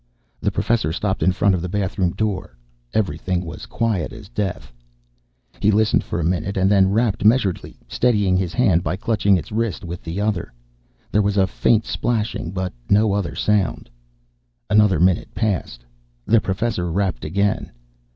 The Professor stopped in front of the bathroom door. Everything was quiet as death. He listened for a minute and then rapped measuredly, steadying his hand by clutching its wrist with the other. There was a faint splashing, but no other sound. Another minute passed. The Professor rapped again.